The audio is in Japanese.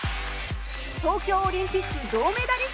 東京オリンピック銅メダリスト